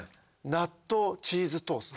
納豆チーズトースト。